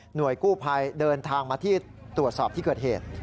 กู้ภัยเดินทางมาที่ตรวจสอบที่เกิดเหตุ